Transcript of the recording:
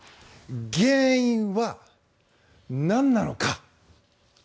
原因はなんなのか。